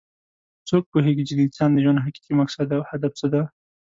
څوک پوهیږي چې د انسان د ژوند حقیقي مقصد او هدف څه ده